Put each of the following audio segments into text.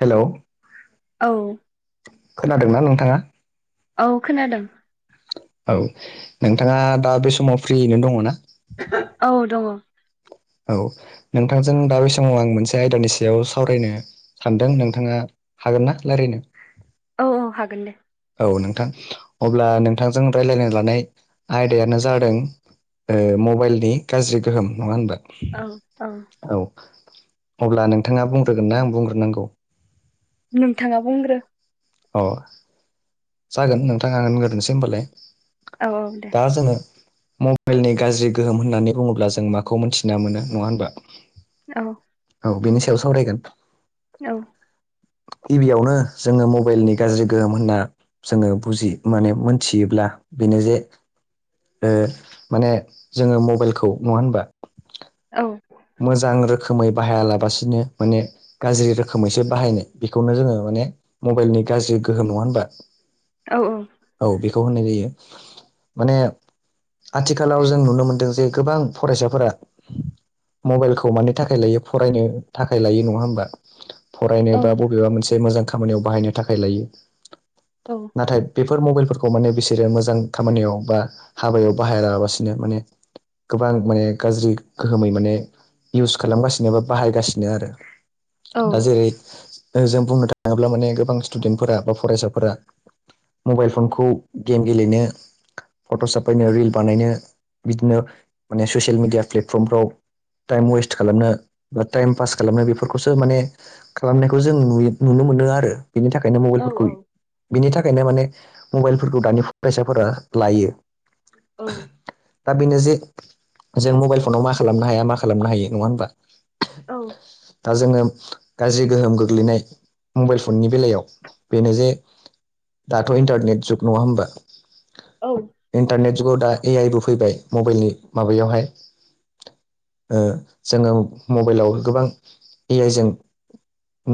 हेल' औ खोनादोंना नोंथाङा? औ खोनादों औ नोंथाङा दा बे समाव फ्रियैनो दङ ना? [unintelligible] औ दङ औ नोंथांजों दा बे समाव आं मोनसे आयदानि सायाव सावरायनो सानदों नोंथाङा हागोन ना लायरायनो औ औ हागोन दे औ नोंथां अब्ला नोंथांजों रायलायनो लानाय आयदायानो जादों ओ मबाइलनि गाज्रि गोहोम नङा होनबा औ औ औ अब्ला नोंथाङा बुंग्रोगोन ना आं बुंग्रोनांगौ नोंथाङा बुंग्रो अ जागोन नोंथां आ होनगोरनोसै होनोमबालाय औ औ दे दा जोङो म बेलनि गाज्रि गोहोम होननानै बुङोब्ला जों माखौ मिनथिना मोनो नङा होनबा औ औ बिनि सायाव सावरायगोन औ गिबियावनो जोङो मबाइलनि गाज्रि गोहोम होनना जोङो बुजि माने मोनथियोब्ला बेनो जे ओ माने जोङो मबाइलखौ नङा होनबा औ मोजां रोखोमै बाहायालाबासिनो माने गाज्रि रोखोमैसो बाहायनाय बेखौनो जोङो माने मबाइलनि गाज्रि गोहो नङा होनबा औ औ औ बेखौ होननाय जायो माने आथिखालाव जों नुनो मोनदों जे गोबां फरायसाफोरा मबाइलखौ मानि थाखाय लायो फरायनो थाखाय लायो नङा होमबा फरायनो औ बा बबेबा मोनसे मोजां खामानियाव बाहायनो थाखाय लायो औ नाथाय बेफोर मबाइलफोरखौ माने बिसोरो मोजां खामानियाव बा हाबायाव बाहायालासिनो माने गोबां माने गाज्रि गो होमै माने इउस खालामगासिनो बा बाहायगासिनो आरो दा जेरै जों बुंनो थाङोब्ला माने गोबां स्टुडेनफोरा बा फरायसाफोरा मबाइल फनखौ गेम गेलेनो फट' साफायनो रिल बानायनो बिदिनो माने ससियेल मिडिया प्लेटफर्मफ्राव टाइम वेस्ट खालामनो बा टाइम पास खालामनो बेफोरखौसो माने खालामनायखौ जों नुयो नुनो मोनदों आरो बिनि थाखायनो औ औ मबाइलफोरखौ बिनि थाखायनो माने मबाइलफोरखौ दानि फरायसाफोरा लायो दा बेनो जे जों मबाइल फनाव मा खालामनो हाया मा खालामनो हायो नङा होमबा दा जोङो गाज्रि गोहोम गोग्लैनाय मबाइल फननि बेलायाव बेनो जे दाथ' इन्टारनेट जुग नङा होमबा औ इन्टारनेट जुगाव दा ए आइबो फैबाय मबाइलनि माबायावहाय ओ जोङो मबाइलाव गोबां ए आइ जों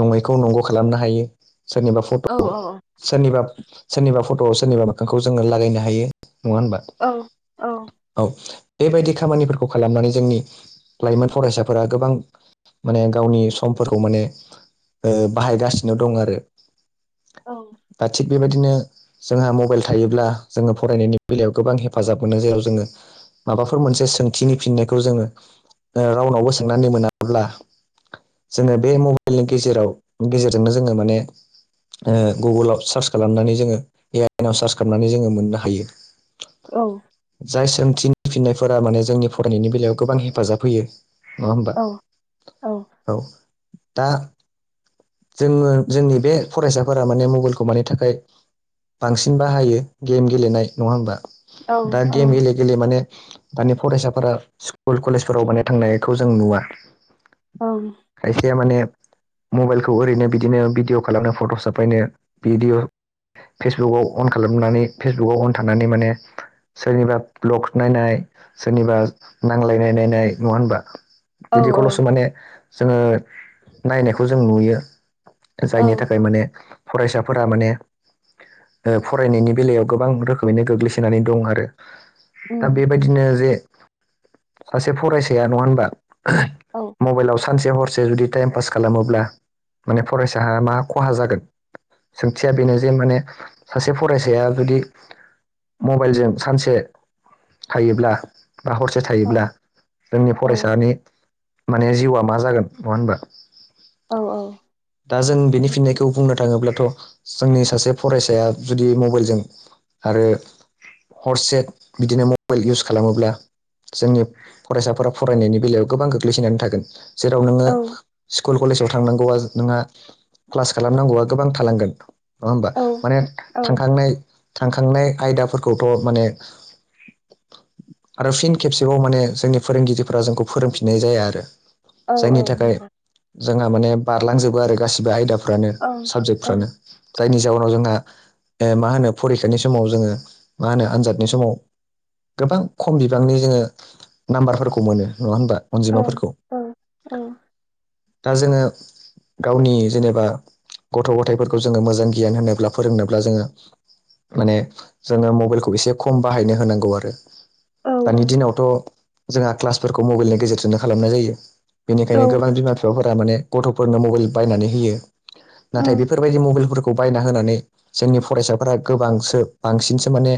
नङैखौ नंगौ खालामनो हायो सोरनिबा औ फट'खौ औ सोरनिबा सोरनिबा फट'आव सोरनिबा मोखांखौ जोङो लागायनो हायो नङा होनबा औ औ औ बेबायदि खामानिफोरखौ खालामनानै जोंनि लाइमोन फरायसाफोरा गोबां माने गावनि समफोरखौ माने ओ बाहायगासिनो दं आरो। आथि बेबायदिनो जोंहा मबाइल थायोब्ला जोंङो फरायनायनि बेलायाव गोबां हेफाजाब मोनो। जेराव जोंङो माबाफोर मोनसे सोंथिनि फिननायखौ जोंङो ओ रावनावबो सोंनानै मोनाब्ला जोंङो बे मबाइलनि गेजेराव गेजेरजोंनो जोंङो माने ओ गुगोलाव सार्च खालामनानै जोंङो एइनव सार्च खालामनानै जोंङो मोननो हायो। औ। जाय सोंथिनि फिननायफोरा माने जोंनि फरायनायनि बेलायाव गोबां हेफाजाब होयो। नंङा होमबा औ दा जोंङो जोंनि बे फरायसाफोरा माने मबाइलखौ मानि थाखाय बांसिन बाहायो गेम गेलेनाय नंङा होमबा दा गेम गेले गेले माने दानि फरायसाफोरा स्कुल कलेजफोराव माने थांनायखौ जों नुवा। औव। खायसे माने मबाइल खौ ओरैनो बिदिनो भिदिअ' खालामनो फट' सफायनो भिदिअ' फेसबुकाव अन खालामनानै फेसबुकाव अन थानानै माने सोरनिबा ब्लग नायनाय सोरनिबा नांलायनाय नायनाय नंङा होनबा? बिदिखौल'सो माने जोंङो नायनायखौ जों नुयो। जायनि थाखाय माने फरायसाफोरा माने -फरायनायनि बेलायाव गोबां रोखोमैनो गोग्लैसोनानै दं आरो। दा उम बेबायदिनो जे -सासे फरायसाया नंङा होनबा। औ [unintelligible] मबाइलाव सानसे हरसे जुदि टाइम पास खालामोब्ला। माने फरायसाया मा खहा जागोन? सोंथिया बेनो जे माने सासे फरायसाया जुदि। मबाइलजों सानसे -थायोब्ला। बा हरसे औ थायोब्ला जोंनि औ फरायसानि -माने जिउआ मा जागोन नंङा होनबा। औव औव। दा जों बेनि फिननायखौ बुंनो थांङोब्लाथ' जोंनि सासे फरायसाया जुदि मबाइलजों। आरो हरसे बिदिनो मबाइल इउस खालामोब्ला। जोंनि फरायसाफोरा फरायनायनि बेलायाव गोबां गोग्लैसोनानै थागोन। जेराव नोंङो स्कुल कलेजाव थ'। थांनांगौ आ नोंहा -क्लास खालामनांगौ आ गोबां थालांगोन। नंङा होमबा माने औ थांखांनाय-थांखांनाय आयदा फोरखौथ' माने। आरो फिन खेबसेबाव माने जोंनि फोरोंगिरिफोरा जोंखौ फोरोंफिननायजायाो आरो। औव जायनि औव थाखाय नंगौ। जोंहा माने बारलांजोबो आरो गासिबो आयदाफ्रानो औ औ साबजेक्टफ्रानो। जायनि जाहोनाव जोंहा -मा होनो फरिखानि समाव जोंङो मा होनो आनजादनि समाव। गोबां खम बिबांनि जोंङो नाम्बारफोरखौ मोनो नंङा होनोमबा। औव औव औव। दा जोंङो। गावनि जेनेबा गथ' गथायाइफोरखौ जोंङो मोजां गियान होनोब्ला फोरोंनोब्ला जोंङो। माने जोंङो मबाइलखौ एसे खम बाहायनो होनांगौ आरो। औ दानि औ दिनावथ' जोंहा क्लासफोरखौ मबाइलनि गेजेरजोंनो खालामनाय जायो। बेनिखायनो औ औ गोबां बिमा बिफाफोरा माने गथ'फोरनो मबाइल बायनानै होयो। नाथाय उम बेफोरबायदि मबाइलफोरखौ। बायना होनानै जोंनि फरायसाफोरा गोबांसो बांसिनसो माने।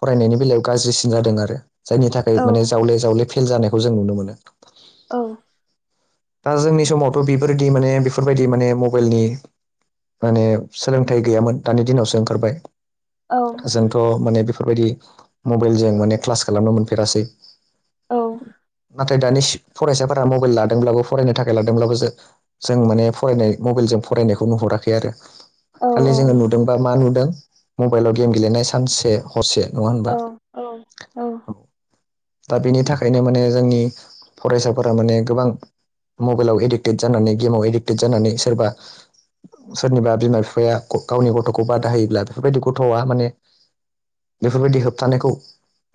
फरायनायनि बेलायाव गाज्रिसिन जादों आरो जायनि थाखाय औ माने जावले जावले फेल जानायखौ जों नुनो मोनो। औव। दा जोंनि समावथ' बेफोरदि माने बेफोरबायदि माने मबाइलनि। माने सोलोंथाइ गैयामोन दानि दिनावसो ओंखारबाय। औ जोंथ' माने बेफोरबायदि मबाइलजों माने क्लास खालामनो मोनफेरासै। औ नाथाय दानि फरायसाफोरा मबाइल लादोंब्लाबो फरायनो थाखाय लादोंब्लाबो जो-जों माने फरायनाय मबाइलजों फरायनायखौ नुहुराखै आरो। औ खालि जोङो नुदोंबा मा नुदों मबाइलाव गेम गेलेनाय सानसे। हसे नङा होनबा? औ औ दा बेनि थाखायनो माने जोंनि फरायसाफोरा माने गोबां मबाइलाव एडिक्टेड जानानै गेमाव एडिक्टेड जानानै सोरबा सोरनिबा बिमा बिफाया गावनि गथ'खौ बादा होयोब्ला बेफोरबायदि गथ'आ माने बेफोरबायदि होबथानायखौ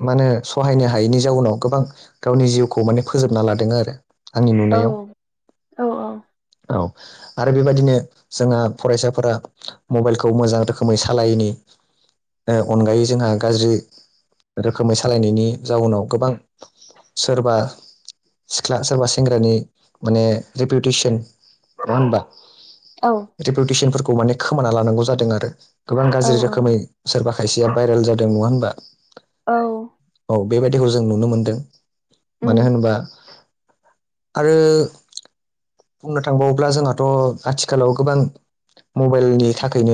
मा होनो सहायनो हायैनि जाउनाव गोबां गावनि जिउखौ माने फोजोबना लादों आरो। आंनि औ नुनायाव औ औ। औ आरो बेबायदिनो जोंहा फरायसाफोरा मबाइलखौ मोजां रोखोमै सालायैनि अनगायै जोंहा गाज्रि रोखोमै सालायनायनि जाउनाव गोबां सोरबा सिख्ला सोरबा सेंग्रानि माने रेपुटेसन नङा होमबा? औ रिपुटेसनफोरखौ माने खोमाना लानांगौ जादों आरो गोबां औ गाज्रि रोखोमै सोरबा खायसेया भाइरेल जादों नङा होमबा? औ औ बेबायदिखौ जों नुनो मोनदों मानो उम होनोबा आरो बुंनो थांबावोब्ला जोंहाथ' आथिखालाव गोबां मबाइलनि थाखायनो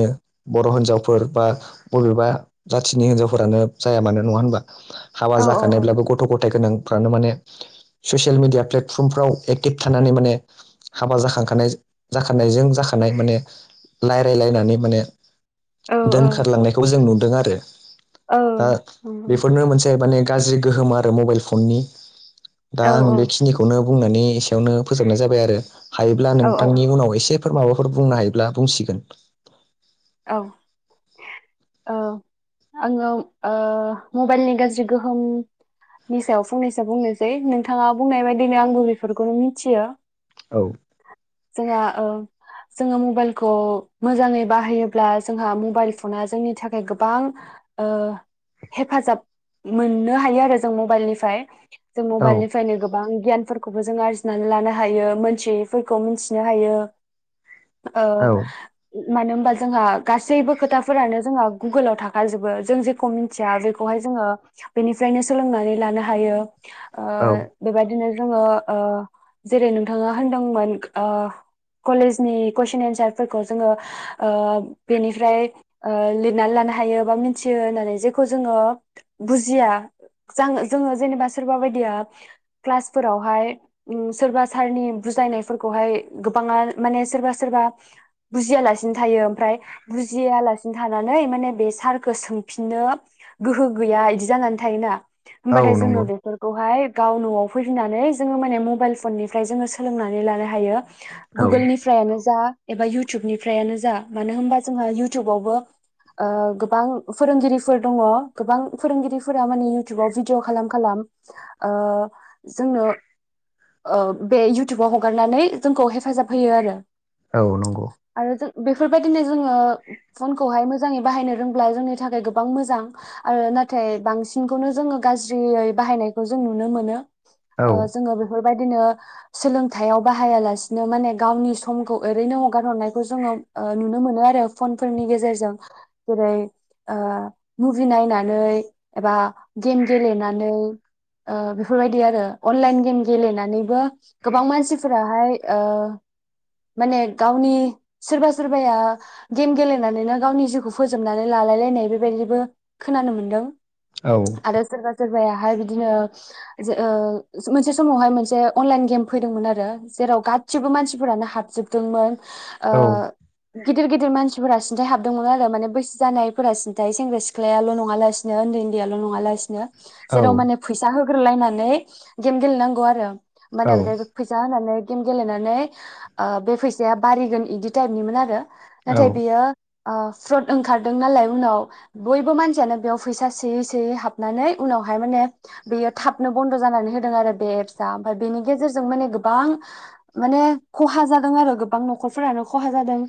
बर' हिनजावफोर बा बबेबा जाथिनि हिनजावफोरानो जाया मानो नङा होमबा? हाबा औ जाखानायब्लाबो गथ' गथाय गोनांफ्रानो माने ससियेल मिडिया प्लेट फ्रमफ्राव एक्टिभ थानानै माने हाबा जाखांखानाय जाखानायजों जाखानाय माने रायज्लायलायनानै माने औ दोनखारलांनायखौ जों नुदों आरो दा बेफोरनो मोनसे माने गाज्रि गोहोम आरो मबाइल फननि दा आं बेखिनिखौ खौनो बुंनानै एसेयावनो फोजोबनाय जाबाय आरो हायोब्ला औ नोंथांनि उनाव एसे फोर माबाफोर बुंनो हायोब्ला बुंसिगोन। औ ओ आङो ओ मबाइलनि गाज्रि गोहोम नि सायाव फंनैसो बुंनोसै नोंथाङा बुंनाय बायदिनो आंबो बेफोरखौनो मिथियो। औ जोंहा जोङो मबाइलखौ मोजाङै बाहायो ब्ला जोंहा मबाइल फना जोंनि थाखाय गोबां ओ हेफाजाब मोननो हायो आरो जों मबाइलनिफ्राय जों औ मबाइलनिफ्रायनो गो गोबां गियानफोरखौबो जों आरजिनानै लानो हायो मोनथियैफोरखौ मिथिनो हायो। औ मानो होमबा जोंहा गासैबो खोथाफोरानो जोंहा गुगोलाव थाखाजोबो जों जेखौ मिथिया बेखौहाय जोङो बेनिफ्रायनो सोलोंनानै लानो हायो। औ बेबायदिनो जोङो जेरै नोंथाङा होनदोंमोन कलेजनि कुइसन एन्सारफोरखौ जोङो बेनिफ्राय लिरनानै लानो हायो बा मिथियो होननानै जेखौ जोङो बुजिया जे जोङो जेनेबा सोरबा बायदिया क्लासफोरावहाय सोरबा सारनि बुजायनायफोरखौहाय गोबाङा माने सोरबा सोरबा बुजिया लासे नो थायो ओमफ्राय बुजिया लासिनो थानानै माने बे सारखौ सोंफिननो गोहो गैया इदि जानानै थायोना औ होमबाथाय जोङो नंगौ बे फोरखौहाय गाव न'आव फैफिनानै जोङो माने मबाइल फननिफ्राय जोङो सोलोंनानै लानो हायो। औ गुगोलनिफ्रायआनो जा एबा इउटुबनिफ्रायआनो जा मानो होनबा जोंहा इउटुबावबो ओ गोबां फोरोंगिरिफोर दङ गोबां फोरोंगिरिफोरा माने इउटुबाव भिडिअ खालाम खालाम ओ जोंनो ओ बे इउटुबाव हगारनानै जोंखौ हेफाजाब होयो आरो। औ नंगौ आरो जों बेफोरबायदिनो जोङो फनखौहाय मोजाङै बाहायनो रोंब्ला जोंनि थाखाय गोबां मोजां आरो नाथाय बांसिनखौनो जोङो गाज्रियै बाहायनायखौ जों नुनो मोनो। औ ओ जोङो बेफोरबायदिनो सोलोंथाइआव बाहायालासिनो माने गावनि समखौ ओरैनो हगार हरनाय खौ जोङो ओ नुनो मोनो आरो फन फोरनि गेजेरजों जेरै ओ मुभि नायनानै एबा गेम गेलेनानै बेफोरबायदि आरो अनलाइन गेम गेलेनानैबो गोबां मानसिफोराहाय ओ माने गावनि सोरबा सोरबाया गेम गेलेनानैनो गावनि जिउखौ फोजोबनानै लालायलायनाय बेबायदिबो खोनानो मोनदों औ आरो सोरबा सोरबायाहाय बिदिनो जे ओ मोनसे समावहाय मोनसे अनलाइन गेम फैदोंमोन आरो जेराव गा सिबो मानसिफोरानो हाबजोबदोंमोन ओ औ गिदिर गिदिर मानसिफोरा सिन्थाय हाबदोंमोन आरो माने बैसो जानायफोरा सिन्थाय सेंग्रा सिख्लायाल' नङा लासि उन्दै उन्दैयाल' नङालासिनो जेराव माने फैसा होग्रोलायनानै गेम गेलेनांगौ आरो औ माने फैसा होनानै गेम गेलेनानै ओ बे फैसाया बारिगोन इदि टाइपनिमोन आरो औ नाथाय बियो ओ फ्रद ओंखारदों नालाय उनाव बयबो मानसियानो बेयाव फैसा सोयै सोयै हाबनानै उनावहाय माने बेयो थाबनो बन्द' जानानै होदों आरो बे एप्सआ ओमफाय बेनि गेजेरजों माने गोबां माने खहा जादों आरो गोबां न'खर फोरानो खहा जादों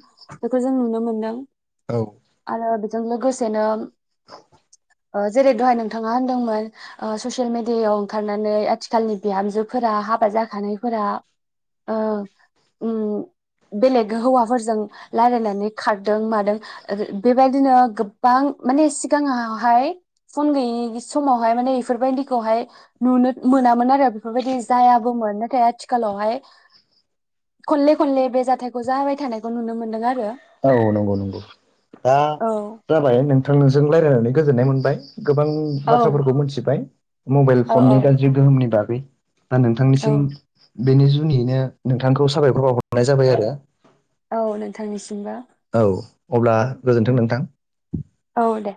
बेखौ जों नुनो मोन्दों। औ आरो बेजों लोगोसेनो [inaudible] ओ जेरै दहाय नोंथाङा होनदोंमोन ओ ससियेल मिडियायाव ओंखारनानै आथिखालनि बिहामजोफोरा हाबा जाखानायफोरा ओ उम बेलेग हौवाफोरजों लारायनानै खारदों मादों ओ बेबायदिनो गोबां माने सिगाङावहाय फन गैयि समावहाय माने इफोरबायदिखौहाय नुनो मोनामोन आरो बेफोरबायदि जायाबोमोन नाथाय आथिखालावहाय खनले खनले बे जाथायखौ जाबाय थानायखौ नुनो मोनदों आरो। औ नंगौ नंगौ दा औ जाबाय नोंथांजों लारायनानै गोजोननाय मोनबाय गोबां औ बाथ्राफोरखौ मिथिबाय। मबाइल औ फननि गाज्रि गोहोमनि बागै दा औ नोंथांनिसिम बेनि जुनैनो नोंथांखौ साबायखर बावहरनाय जाबाय आरो। औ नोंथांनिसिमबो। औ अब्ला गोजोन्थों नोंथां। औ दे